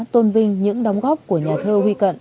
tôn vinh những đóng góp của nhà thơ huy cận